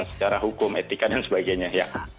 secara hukum etika dan sebagainya ya